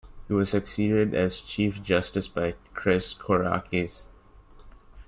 He was succeeded as Chief Justice by Chris Kourakis.